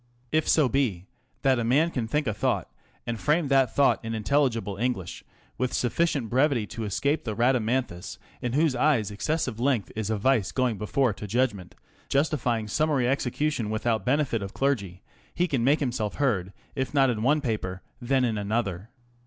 If so be that a man can think a thought, and frame that thought in intelligible English with sufficient brevity to escape the Bhadamanthus in whose eyes excessive length is a vice going before to judgment, justifying summary execution without benefit of clergy, he can make himself heard, if not in one paper, then in another.